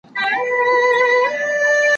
چي نه زر لرې نه مال وي نه آسونه.